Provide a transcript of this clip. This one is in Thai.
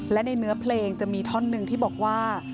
และในเนื้อเพลงจะมีท่อนหนึ่งที่บอกว่า